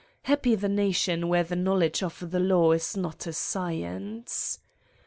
Happy the nation where the knowledge of the law is not a science !